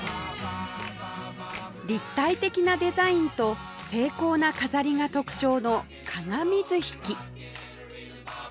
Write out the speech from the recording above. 立体的なデザインと精巧な飾りが特徴の加賀水引